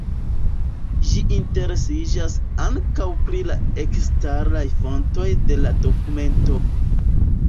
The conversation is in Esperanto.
Ĝi interesiĝas ankaŭ pri la eksteraj fontoj de la dokumento.